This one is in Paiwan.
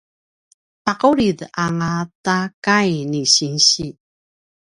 paqulid angata a kai ni sinsi